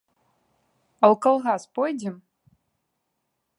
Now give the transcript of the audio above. А ў калгас пойдзем.